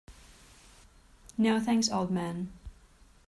No, thanks, old man.